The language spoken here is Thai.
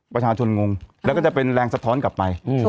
ประชาชนงงแล้วก็จะเป็นแรงสะท้อนกลับไป